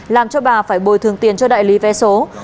làm cho bà phải bồi thường tiền cho đại lý vé số